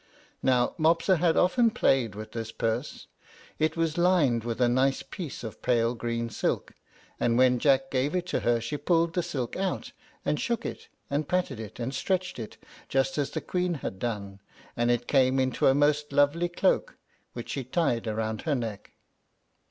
Now Mopsa had often played with this purse. It was lined with a nice piece of pale green silk, and when Jack gave it to her she pulled the silk out, and shook it, and patted it, and stretched it, just as the Queen had done, and it came into a most lovely cloak, which she tied round her neck.